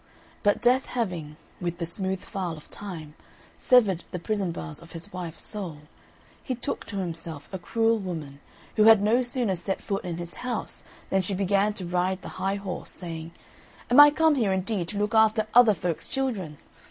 But Death having, with the smooth file of Time, severed the prison bars of his wife's soul, he took to himself a cruel woman, who had no sooner set foot in his house than she began to ride the high horse, saying, "Am I come here indeed to look after other folk's children?